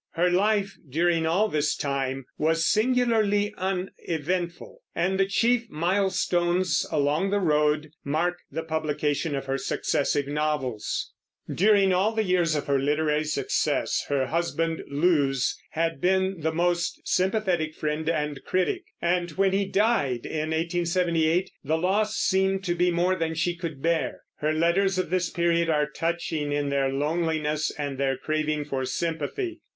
Her life during all this time was singularly uneventful, and the chief milestones along the road mark the publication of her successive novels. During all the years of her literary success her husband Lewes had been a most sympathetic friend and critic, and when he died, in 1878, the loss seemed to be more than she could bear. Her letters of this period are touching in their loneliness and their craving for sympathy.